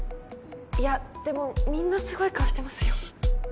いやでもみんなすごい顔してますよ